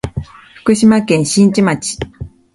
福島県新地町